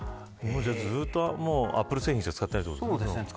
ずっとアップルしか使ってないてことですね。